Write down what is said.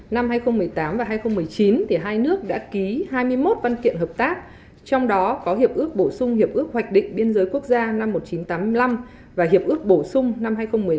năm hai nghìn một mươi tám và hai nghìn một mươi chín hai nước đã ký hai mươi một văn kiện hợp tác trong đó có hiệp ước bổ sung hiệp ước hoạch định biên giới quốc gia năm một nghìn chín trăm tám mươi năm và hiệp ước bổ sung năm hai nghìn một mươi năm